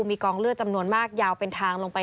มีกองเลือดจำนวนมากยาวเป็นทางลงไป